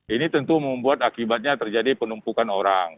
ini tentu membuat akibatnya terjadi penumpukan orang